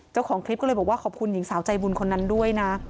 เจ้าของคลิปก็เลยบอกว่าขอบคุณหญิงสาวใจบุญคนนั้นด้วยนะ